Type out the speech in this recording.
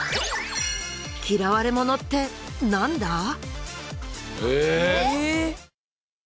嫌われモノってなんだ？